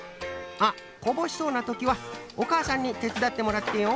あっこぼしそうなときはおかあさんにてつだってもらってよ。